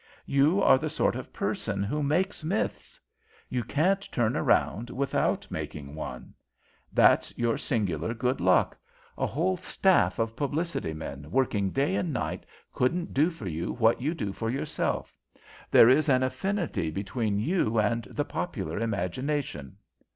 You are the sort of person who makes myths. You can't turn around without making one. That's your singular good luck. A whole staff of publicity men, working day and night, couldn't do for you what you do for yourself. There is an affinity between you and the popular imagination."